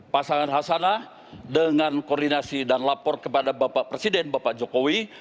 pasangan hasanah dengan koordinasi dan lapor kepada bapak presiden bapak jokowi